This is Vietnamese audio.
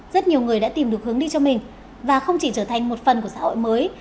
rất nhiều người đã tìm được hướng đi cho mình và không chỉ trở thành một phần của xã hội mới